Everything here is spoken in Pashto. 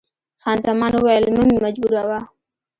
خان زمان وویل، مه مې مجبوروه.